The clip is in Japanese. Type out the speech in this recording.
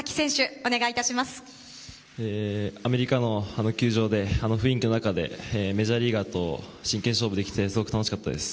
アメリカの球場であの雰囲気の中でメジャーリーガーと真剣勝負できてすごく楽しかったです。